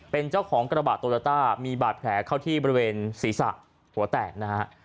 เป็นเจ้าของกระบะโตโยต้ามีบาดแผลเข้าที่บริเวณศีรษะหัวแตกนะฮะ